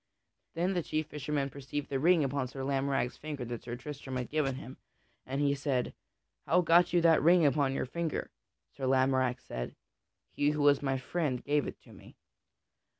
Then the chief fisherman perceived the ring upon Sir Lamorack's finger that Sir Tristram had given him, and he said, "How got you that ring upon your finger?" Sir Lamorack said, "He who was my friend gave it to me."